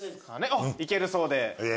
あっ行けるそうで。